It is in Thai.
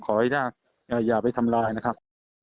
ขอให้อย่าไปทำลายนะครับ